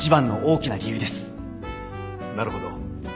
なるほど。